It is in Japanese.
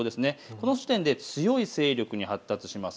この時点で強い勢力に発達します。